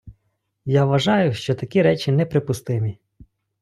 Я вважаю, що такі речі неприпустимі.